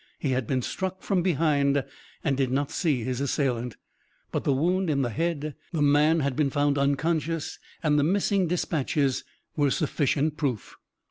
He had been struck from behind, and did not see his assailant, but the wound in the head the man had been found unconscious and the missing dispatches were sufficient proof.